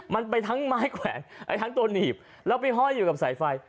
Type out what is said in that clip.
มันไปทั้งไม้แขวนไปทั้งตัวหนีบแล้วไปห้อยอยู่กับสายไฟ